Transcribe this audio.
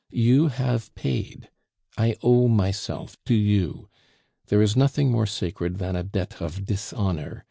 You have paid; I owe myself to you. There is nothing more sacred than a debt of dishonor.